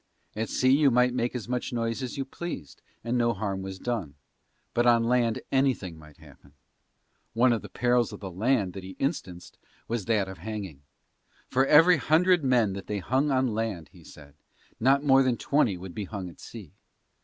At sea you might make as much noise as you pleased and no harm was done, but on land anything might happen. One of the perils of the land that he instanced was that of hanging. For every hundred men that they hung on land, he said, not more than twenty would be hung at sea.